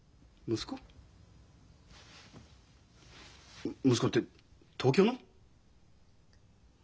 息子って東京の？